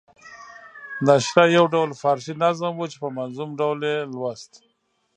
نشرح یو ډول فارسي نظم وو چې په منظوم ډول یې لوست.